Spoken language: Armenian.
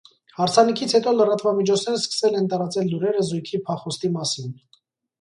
Հարսանիքից հետո լրատվամիջոցներն սկսել են տարածել լուրերը զույգի փախուստի մասին։